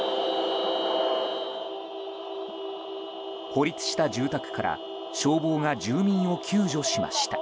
孤立した住宅から消防が住民を救助しました。